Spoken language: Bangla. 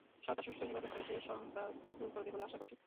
সরকার সুষ্ঠু নির্বাচন করে সেই শঙ্কা দূর করবে বলে আশা করছি।